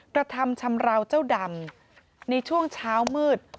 กระทำชำราวเจ้าดำในช่วงเช้ามืด